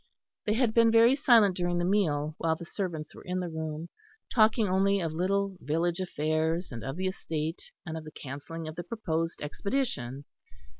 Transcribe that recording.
They had been very silent during the meal, while the servants were in the room, talking only of little village affairs and of the estate, and of the cancelling of the proposed expedition.